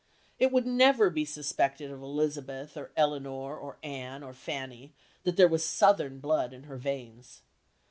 It could never be suspected of Elizabeth, or Elinor, or Anne, or Fanny that there was Southern blood in her veins.